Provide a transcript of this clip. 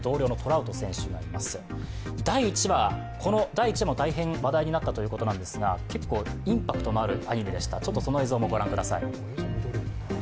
第１話も大変話題になったということなんですが、結構インパクトのあるアニメでした、その映像もご覧ください。